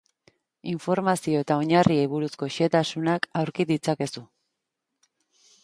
Informazio eta oinarriei buruzko xehetasunak aurki ditzakezu.